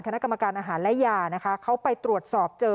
คณะกรรมการอาหารและยานะคะเขาไปตรวจสอบเจอ